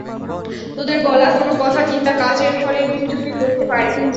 তোদের বলা কোনো কথা কিংবা কাজের ফলে বিচ্যুতি ঘটতে পারে।